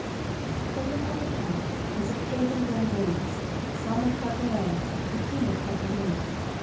CXX From the other part was a pagan Grandones, Son of Capuel, the king of Capadoce.